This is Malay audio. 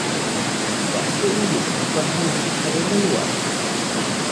Bahasa Inggeris difahami secara meluas.